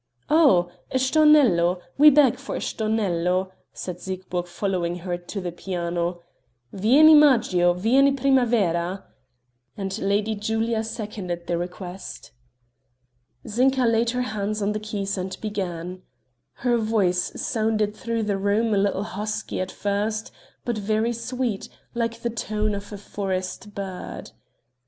"Oh! a Stornello. We beg for a Stornello," said Siegburg following her to the piano "vieni maggio, vieni primavera," and Lady Julia seconded the request. Zinka laid her hands on the keys and began. Her voice sounded through the room a little husky at first, but very sweet, like the note of a forest bird.